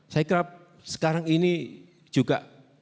saya kira sekarang ini juga